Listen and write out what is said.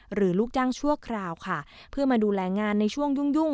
ลูกจ้างชั่วคราวค่ะเพื่อมาดูแลงานในช่วงยุ่งยุ่ง